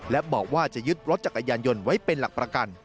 และบอกว่าจะยึดรถจักรยานยนต์ไว้เป็นหลักประกัน